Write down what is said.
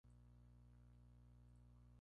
Ese mismo se trasladó a Madrid.